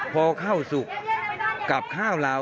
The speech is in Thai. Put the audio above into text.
พอข้าวสุกกับข้าวเรา